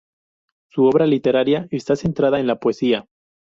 Su obra literaria está centrada en la poesía.